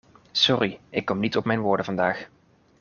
Sorry, ik kom niet op mijn woorden vandaag.